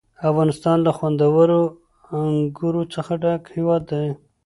افغانستان له خوندورو انګورو څخه ډک هېواد دی.